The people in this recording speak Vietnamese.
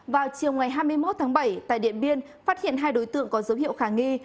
vào chiều ngày hai mươi một tháng bảy tại điện biên phát hiện hai đối tượng có dấu hiệu khả nghi